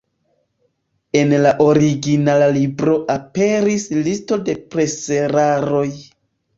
En la originala libro aperis listo de preseraroj.